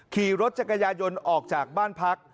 ขี่รถจักรยายนออกจากบ้านพัก